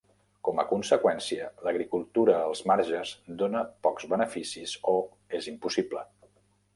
Com a conseqüència, l'agricultura als marges dona pocs beneficis o és impossible.